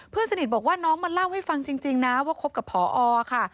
เพื่อนสนิทบอกว่าน้องมาเล่าให้ฟังจริงนะว่าคบกับพอค่ะ